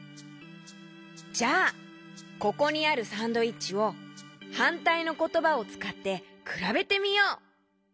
じゃあここにあるサンドイッチをはんたいのことばをつかってくらべてみよう！